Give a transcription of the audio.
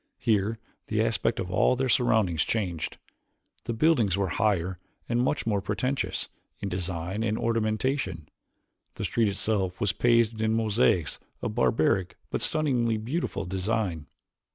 Here the aspect of all their surroundings changed. The buildings were higher and much more pretentious in design and ornamentation. The street itself was paved in mosaics of barbaric but stunningly beautiful design.